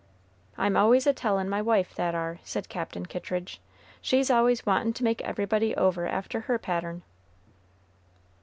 "I'm always a tellin' my wife that ar," said Captain Kittridge; "she's always wantin' to make everybody over after her pattern."